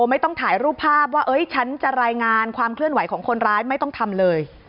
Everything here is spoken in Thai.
ไม่ต้องถ่ายรูปภาพว่าฉันจะรายงานความเคลื่อนไหวของคนร้ายไม่ต้องทำเลย